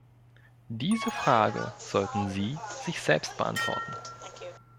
Diese Frage sollten Sie sich selbst beantworten.